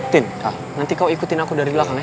tin nanti kau ikutin aku dari belakang ya